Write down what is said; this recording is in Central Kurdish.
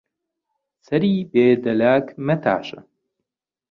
سەری بێ دەلاک مەتاشە